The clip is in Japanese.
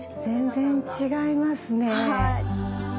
全然違いますね。